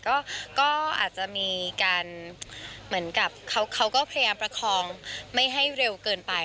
ก็อาจจะมีการเหมือนกับเขาก็พยายามประคองไม่ให้เร็วเกินไป